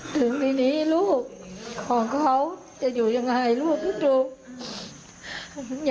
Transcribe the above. ถึงปีนี้ลูกของเขาจะอยู่ยังไงลูกไม่ถูก